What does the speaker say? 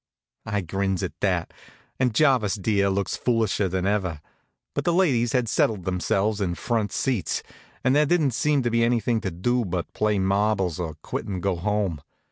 I grins at that, and Jarvis dear looks foolisher than ever. But the ladies had settled themselves in front seats, and there didn't seem to be anything to do but to play marbles or quit an' go home.